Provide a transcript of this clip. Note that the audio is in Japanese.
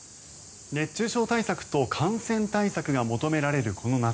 熱中症対策と感染対策が求められるこの夏。